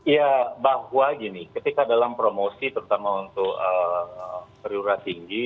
ya bahwa gini ketika dalam promosi terutama untuk periura tinggi